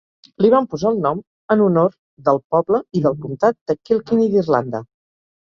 Li van posar el nom en honor del poble i del comtat de Kilkenny d'Irlanda.